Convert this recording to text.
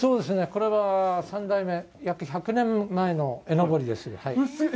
これは３代目約１００年前の絵のぼりです。